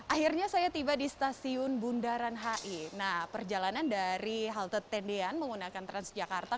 akhirnya saya tiba di stasiun bundaran hi nah perjalanan dari halte tendian menggunakan transjakarta